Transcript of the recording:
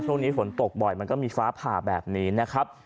ช่วงนี้ฝนตกบ่อยมันก็มีฟ้าผ่าแบบนี้นะครับ